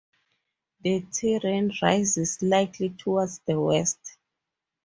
The terrain rises slightly towards the west.